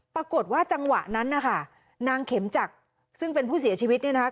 ปรากฏว่าจังหวะนั้นนะคะนางเข็มจักรซึ่งเป็นผู้เสียชีวิตเนี่ยนะคะ